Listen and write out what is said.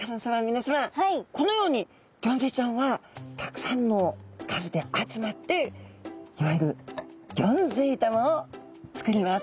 皆さまこのようにギョンズイちゃんはたくさんの数で集まっていわゆるギョンズイ玉を作ります。